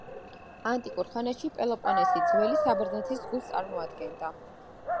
ანტიკურ ხანაში, პელოპონესი ძველი საბერძნეთის გულს წარმოადგენდა.